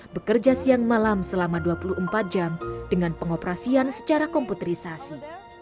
bekerja siang malam selama dua puluh empat jam dengan pengoperasian secara komputerisasi